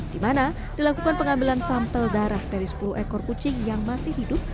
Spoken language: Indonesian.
di mana dilakukan pengambilan sampel darah dari sepuluh ekor kucing yang masih hidup